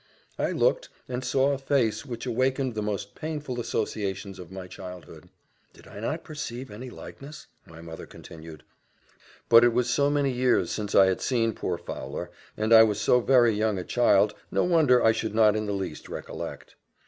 I looked, and saw a face which awakened the most painful associations of my childhood. "Did not I perceive any likeness?" my mother continued. "But it was so many years since I had seen poor Fowler, and I was so very young a child, no wonder I should not in the least recollect."